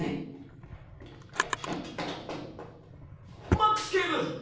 ・・マックス警部！